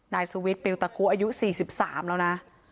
นายสุวิทย์เปลี่ยนตะครูอายุ๔๓แล้วนะ